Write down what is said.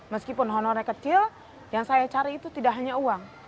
meskipun honornya kecil yang saya cari itu tidak hanya uang